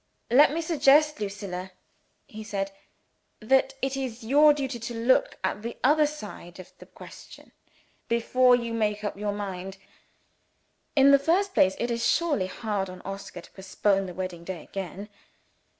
"Let me suggest, Lucilla," he said, "that it is your duty to look at the other side of the question, before you make up your mind. In the first place, it is surely hard on Oscar to postpone the wedding day again.